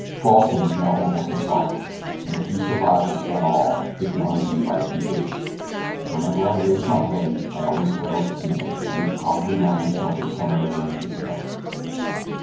Falsten is now almost exhausted, and if he survives us at all, it can only be for a few days. Whenever I raised my head I always failed to see him, but he was probably lying sheltered somewhere beneath the sails.